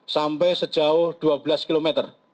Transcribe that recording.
sampai sejauh dua belas km